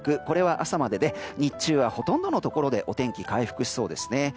これは朝までで日中はほとんどのところでお天気が回復しそうです。